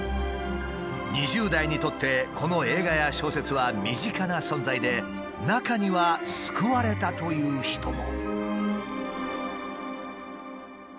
２０代にとってこの映画や小説は身近な存在で中には救われたという人も。